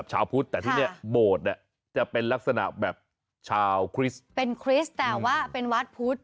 จะเป็นลักษณะแบบชาวคริสต์เป็นคริสต์แต่ว่าเป็นวัดพุธ